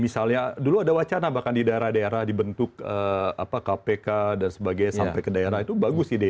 karena dulu ada wacana bahkan di daerah daerah dibentuk kpk dan sebagainya sampai ke daerah itu bagus ide